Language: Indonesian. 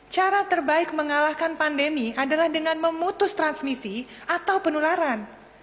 cara terbaik mengalahkan pandemi adalah dengan memutus transmisi atau penularan